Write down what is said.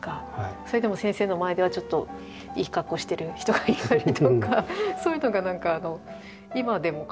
それでも先生の前ではちょっといい格好してる人がいたりとかそういうのがなんか今でも変わらないなぁって。